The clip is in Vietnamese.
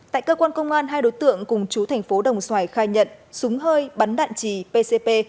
tại cơ quan công an hai đối tượng cùng chú thành phố đồng xoài khai nhận súng hơi bắn đạn trì pcp